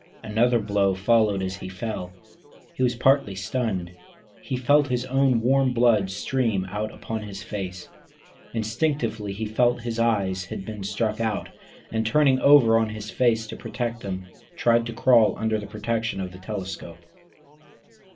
Another blow followed as he fell. He was partly stunned, he felt his own warm blood stream out upon his face. Instinctively he felt his eyes had been struck at, and, turning over on his face to save them, tried to crawl under the protection of the telescope.